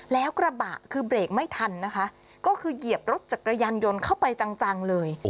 แล้วกระบะคือเบรกไม่ทันนะคะก็คือเหยียบรถจักรยานยนต์เข้าไปจังเลย